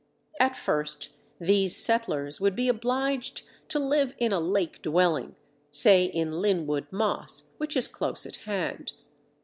At first these settlers would be obliged to live in a lake dwelling, say in Linwood Moss, which is close at hand.